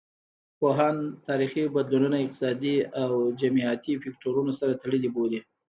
پوهان تاریخي بدلونونه اقتصادي او جمعیتي فکتورونو سره تړلي بولي.